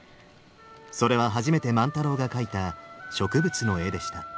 それは初めて万太郎が描いた植物の絵でした。